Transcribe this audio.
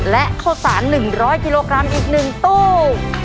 และข้าวสาร๑๐๐กิโลกรัมอีก๑ตู้